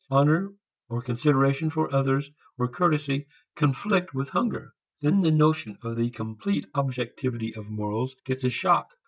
Honor or consideration for others or courtesy conflict with hunger. Then the notion of the complete objectivity of morals gets a shock.